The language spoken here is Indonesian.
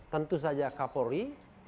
tentu saja kapolri